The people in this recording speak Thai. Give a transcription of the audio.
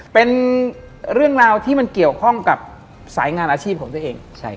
เป็นเรื่องราวที่มันเกี่ยวข้องกับสายงานอาชีพของตัวเอง